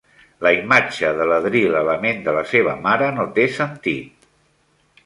La imatge de l'Hedril a la ment de la seva mare no té sentit.